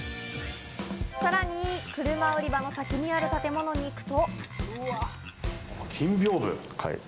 さらに車売り場の先にある建物に行くと。